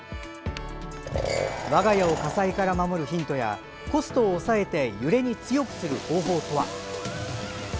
我が家を火災から守るヒントやコストを抑えて揺れに強くする方法とは。